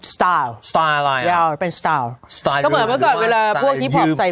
สไตล์สไตล์อะไรอ่ะเป็นสไตล์ก็เหมือนเมื่อก่อนเวลาพวกฮีพอร์ฟใส่